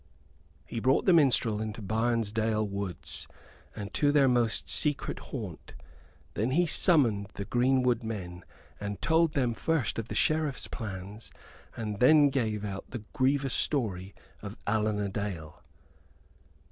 He brought the minstrel into Barnesdale woods and to their most secret haunt. Then he summoned the greenwood men and told them first of the Sheriff's plans and then gave out the grievous story of Allan a Dale.